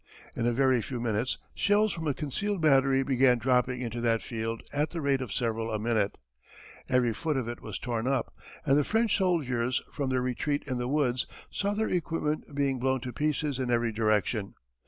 In a very few minutes shells from a concealed battery began dropping into that field at the rate of several a minute. Every foot of it was torn up, and the French soldiers from their retreat in the woods saw their equipment being blown to pieces in every direction.